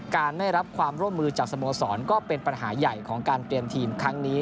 ไม่รับความร่วมมือจากสโมสรก็เป็นปัญหาใหญ่ของการเตรียมทีมครั้งนี้